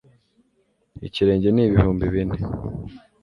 Ikirenge ni ibihumbi bine